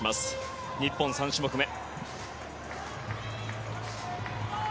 日本３種目め。